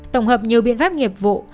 tổng hợp nhiều biện pháp nghiệp vụ